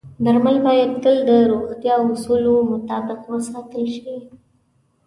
درمل باید تل د روغتیايي اصولو مطابق وساتل شي.